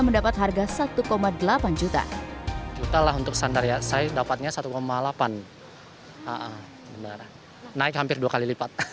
mendapat harga satu delapan juta juta lah untuk santar ya saya dapatnya satu delapan naik hampir dua kali lipat